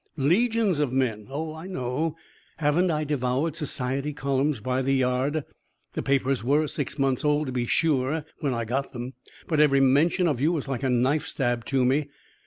"Legions of men! Oh, I know. Haven't I devoured society columns by the yard? The papers were six months old, to be sure, when I got them, but every mention of you was like a knife stab to me.